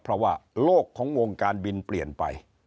เพราะว่าโลกของวงการบินเปลี่ยนไป